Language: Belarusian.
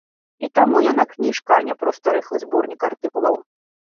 І таму яна кніжка, а не проста рыхлы зборнік артыкулаў.